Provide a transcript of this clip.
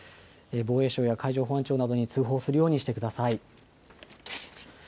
防衛省や海上保安庁などに通報するようにしてください。